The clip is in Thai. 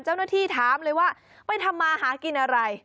เจ้าหน้าที่ถามเลยว่าไปทำมาหากินอะไร